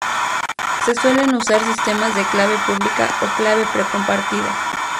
Se suelen usar sistemas de clave pública o clave pre-compartida.